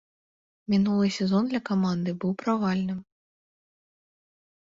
Мінулы сезон для каманды быў правальным.